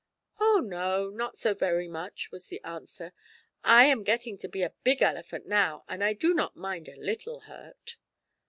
"Oh, no, not so very much," was the answer. "I am getting to be a big elephant now, and I do not mind a little hurt."